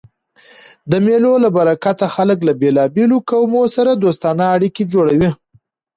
د مېلو له برکته خلک له بېلابېلو قومو سره دوستانه اړيکي جوړوي.